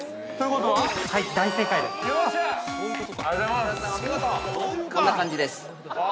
こんな感じです。